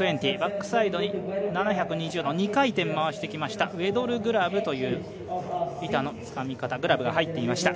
バックサイドに７２０度、２回転、回してきましたウェドルグラブという板のつかみ方グラブが入っていました。